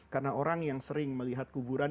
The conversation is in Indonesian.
karena orang yang sering melihat kuburan